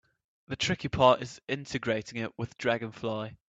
The tricky part is integrating it with Dragonfly.